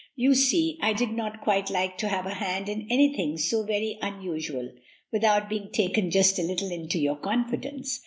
You see, I did not quite like to have a hand in anything so very unusual without being taken just a little into your confidence.